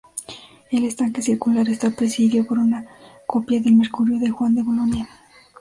El estanque circular está presidido por una copia del Mercurio de Juan de Bolonia.